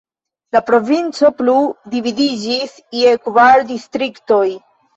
La provinco plu dividiĝis je kvar distriktoj.